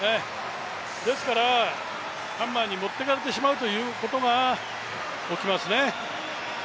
ですから、ハンマーに持っていかれてしまうということが起きますね。